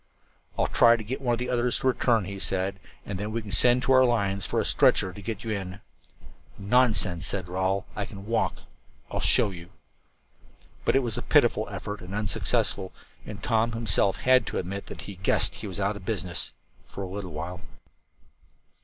"I'll try to get one of the others to return," he said, "and then we can send to our lines for a stretcher to get you in." "Nonsense," said Rawle, "I can walk; I'll show you." But it was a pitiful effort, and unsuccessful, and Tom himself had to admit that he "guessed he was out of business" for a little while.